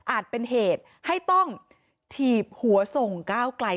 เป็นเหตุให้ต้องถีบหัวส่งก้าวไกล